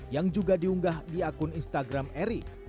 yang juga diunggah di akun instagram eri